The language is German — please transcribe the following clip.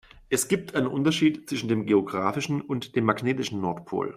Es gibt einen Unterschied zwischen dem geografischen und dem magnetischen Nordpol.